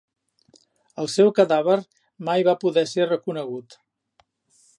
El seu cadàver mai va poder ser reconegut.